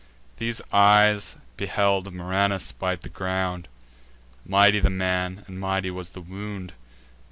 These eyes beheld Murranus bite the ground: Mighty the man, and mighty was the wound.